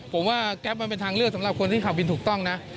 ผมว่าแก๊ปมันเป็นทางเลือกสำหรับคนที่ขับวินถูกต้องนะ